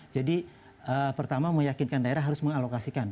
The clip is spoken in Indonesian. pertama meyakinkan daerah harus mengalokasikan